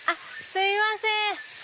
すいません。